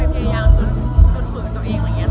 ไปพยายามคุ้นมือตนตัวเอง